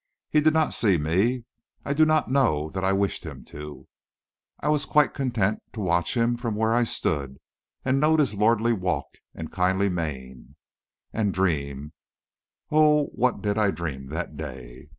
He did not see me. I do not know that I wished him to. I was quite content to watch him from where I stood, and note his lordly walk and kindly mien, and dream oh, what did I dream that day!